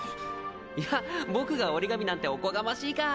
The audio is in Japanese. いや僕が折紙なんておこがましいか。